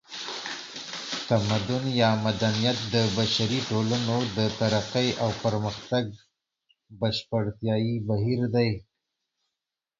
تمدن یا مدنیت د بشري ټولنو د ترقۍ او پرمختګ بشپړتیایي بهیر دی